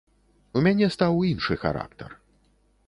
У мяне стаў іншы характар.